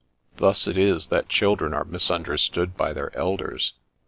Thus it is that children are misunderstood by their elders!